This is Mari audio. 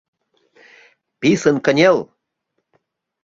«Писын кынел.